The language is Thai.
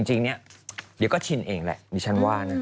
จริงเนี่ยเดี๋ยวก็ชินเองแหละดิฉันว่านะ